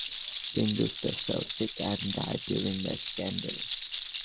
King Gustav fell sick and died during the scandal.